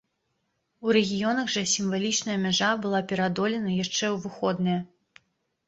У рэгіёнах жа сімвалічная мяжа была пераадолена яшчэ ў выходныя.